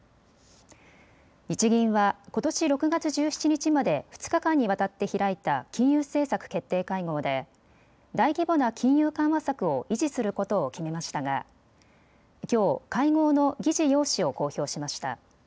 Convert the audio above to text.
日銀はことし６月１７日まで２日間にわたって開いた金融政策決定会合で大規模な金融緩和策を維持することを決めましたがきょう、会合の議事要旨を公表しました。